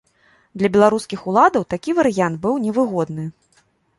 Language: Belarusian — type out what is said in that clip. Для беларускіх уладаў такі варыянт быў невыгодны.